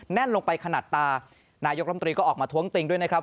แน่นลงไปขนาดตานายกรมตรีก็ออกมาท้วงติงด้วยนะครับ